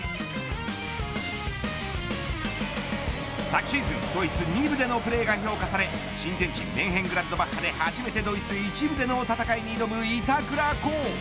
昨シーズン、ドイツ２部でのプレーが評価され新天地、メンヘングラッドバッハで初めてのドイツ１部での戦いに挑む板倉滉。